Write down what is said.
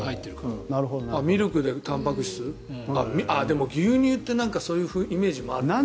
ミルクでたんぱく質？でも牛乳ってそういうイメージもあるな。